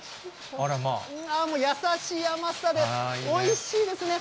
ああ、もう優しい甘さでおいしいですね。